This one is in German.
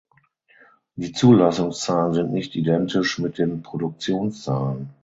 Die Zulassungszahlen sind nicht identisch mit den Produktionszahlen.